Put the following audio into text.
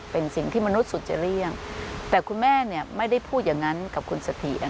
เป็นสิ่งที่มนุษย์สุดจะเลี่ยงแต่คุณแม่เนี่ยไม่ได้พูดอย่างนั้นกับคุณเสถีย